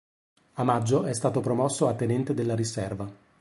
A maggio è stato promosso a tenente della riserva.